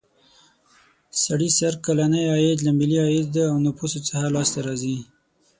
سړي سر کلنی عاید له ملي عاید او نفوسو څخه لاس ته راځي.